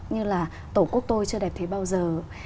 như là tổ quốc tôi chưa đẹp thế bao giờ